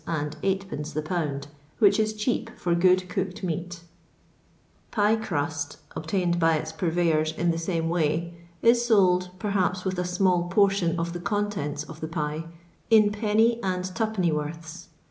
and Sd, the pound, which is cheap for good cooked meat Fie cnist, obtained by its purveyors in the same way, is sold, perhaps with a small portion of the contenta of the pie, in penny and twopenny worths.